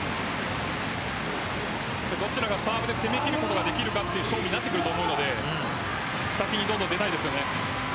どちらがサーブで攻めきることになるのかという勝負になるので先にどんどん出たいですね。